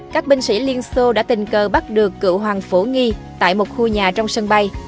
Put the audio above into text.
các binh sĩ liên xô đã tình cờ bắt được cựu hoàng phổ nghi tại một khu nhà trong sân bay